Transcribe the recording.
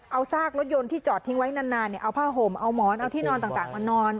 เอาซากรถยนต์ที่จอดทิ้งไว้นานเอาผ้าห่มเอาหมอนเอาที่นอนต่างมานอน